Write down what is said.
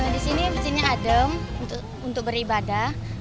di sini masjidnya adem untuk beribadah